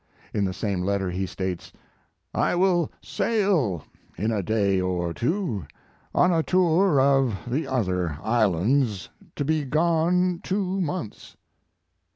In the same letter he states: "I will sail in a day or two on a tour of the other islands, to be gone two months."